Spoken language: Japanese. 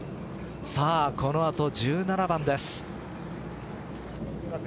さあこの後１７番です。